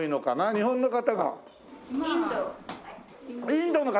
日本の方？